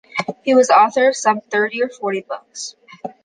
He was the author of some thirty or forty books.